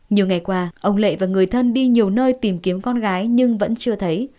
nhiều ngày qua ông lệ và người thân đi nhiều nơi tìm kiếm con gái nhưng vẫn chưa thấy